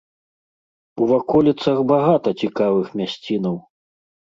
У ваколіцах багата цікавых мясцінаў.